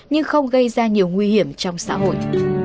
nhưng không gây ra nhiều nguy hiểm trong xã hội